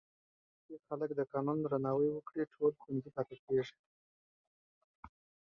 کله چې خلک د قانون درناوی وکړي، ټولنه خوندي پاتې کېږي.